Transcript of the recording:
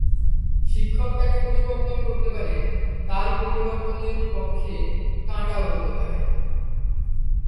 শিক্ষক তাকে পরিবর্তন করতে পারেন, তার পরিবর্তনের পক্ষে কাঁটাও হতে পারেন।